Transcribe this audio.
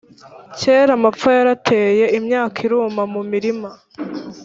kera amapfa yarateye imyaka iruma muimirima